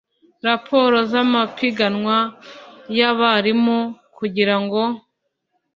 raporo z amapiganwa y abarimu kugira ngo